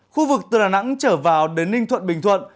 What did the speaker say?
khu vực từ đà nẵng trở vào đến ninh thuận bình thuận